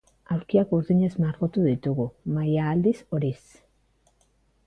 Aulkiak urdinez margotu ditugu, mahaia aldiz horiz.